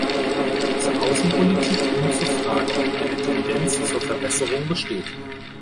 Zur Außenpolitik und zur Frage, ob eine Tendenz zur Verbesserung besteht.